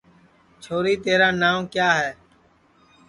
چھوری تیرا ناو کیا ہے